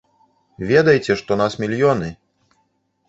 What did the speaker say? Ведайце, што нас мільёны!